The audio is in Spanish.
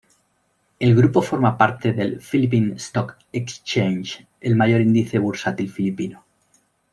El grupo forma parte del "Philippine Stock Exchange", el mayor índice bursátil filipino.